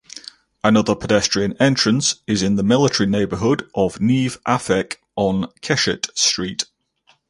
Another pedestrian entrance is in the military neighborhood of Neve Afek on Keshet Street.